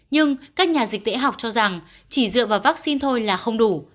nhưng các nhà dịch tễ học cho rằng chỉ dựa vào vaccine thôi là không đủ